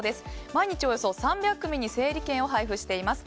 毎日およそ３００組に整理券を配布しています。